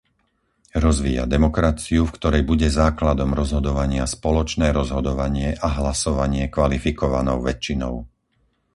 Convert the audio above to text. Rozvíja demokraciu, v ktorej bude základom rozhodovania spoločné rozhodovanie a hlasovanie kvalifikovanou väčšinou.